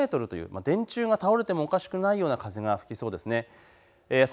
瞬間的には５０メートルという電柱が倒れてもおかしくないような風が吹きそうです。